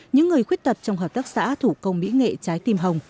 những người khuyết tật trong hợp tác xã thủ công mỹ nghệ trái tim hồng